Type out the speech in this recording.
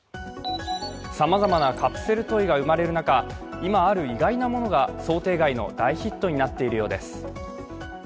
さまざまなカプセルトイが生まれる中、今、ある意外なものが想定外の大ヒットになっているようです。